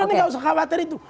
jangan gak usah khawatir itu